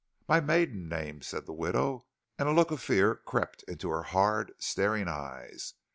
"My maiden name," said the widow, and a look of fear crept into her hard, staring eyes.